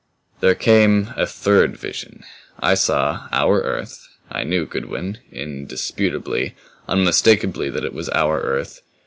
"There came a third vision. I saw our Earth I knew, Goodwin, indisputably, unmistakably that it was our earth.